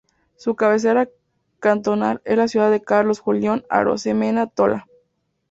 Su cabecera cantonal es la ciudad de Carlos Julio Arosemena Tola.